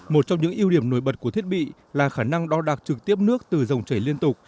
một trong những ưu điểm nổi bật của thiết bị là khả năng đo đạc trực tiếp nước từ dòng chảy liên tục